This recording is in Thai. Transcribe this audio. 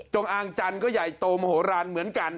อางจันทร์ก็ใหญ่โตมโหลานเหมือนกัน